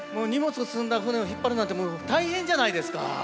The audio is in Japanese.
荷物を積んだ舟を引っ張るなんて大変じゃないですか。